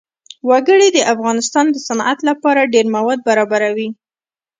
وګړي د افغانستان د صنعت لپاره ډېر مواد برابروي.